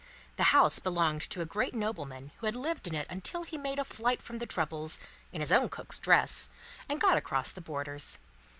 The house belonged to a great nobleman who had lived in it until he made a flight from the troubles, in his own cook's dress, and got across the borders.